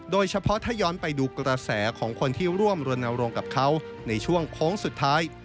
โดยเฉพาะถ้าย้อนไปดูกระแสของคนที่ร่วมรณรงค์กับเขาในช่วงโค้งสุดท้าย